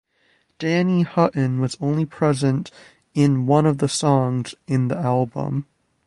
Danny Hutton was only present in one of the songs in the album.